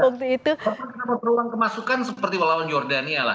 karena terulang kemasukan seperti melawan jordania lah